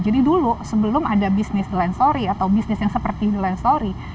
jadi dulu sebelum ada bisnis the lens story atau bisnis yang seperti the lens story